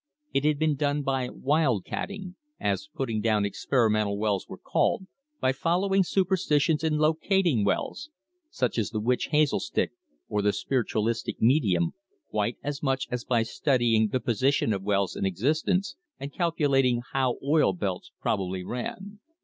It had been done by "wild catting," as putting down experimental wells was called, by following superstitions in locating wells, such as the witch hazel stick, or the spiritualistic medium, quite as much as by studying the position of wells in existence and calculating how oil belts probably ran.